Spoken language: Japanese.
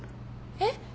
えっ？